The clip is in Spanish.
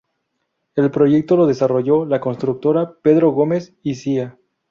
El proyecto lo desarrolló la constructora Pedro Gómez y Cia.